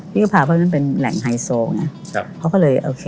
พี่ก็พาพวกเเตอร์มาเป็นแหล่งไฮโซ